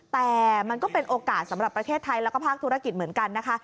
แต่มันก็เป็นโอกาสสำหรับประเทศไทยแล้วก็ภาคธุรกิจเหมือนกันนะคะ